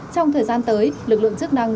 trong thời gian tới lực lượng chức năng